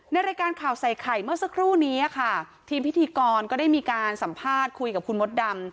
ในรายการข่าวใส่ไข่เมื่อสักครู่นี้ค่ะทีมพิธีกรก็ได้มีการสัมภาษณ์คุยกับคุณมดดำ